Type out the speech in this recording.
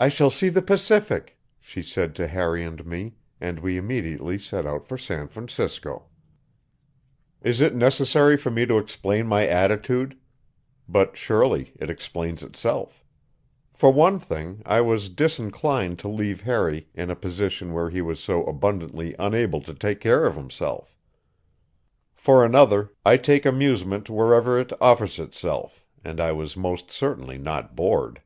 "I shall see the Pacific," she said to Harry and me, and we immediately set out for San Francisco. Is it necessary for me to explain my attitude? But surely it explains itself. For one thing, I was disinclined to leave Harry in a position where he was so abundantly unable to take care of himself. For another, I take amusement wherever it offers itself, and I was most certainly not bored.